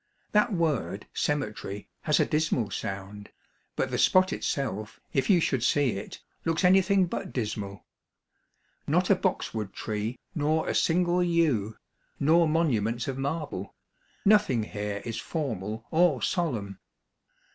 That word *' cemetery " has a dismal sound, but the spot itself, if you should see it, looks anything but dismal. Not a boxwood tree, nor a single yew, nor monuments of marble ; noth ing here is formal or solemn.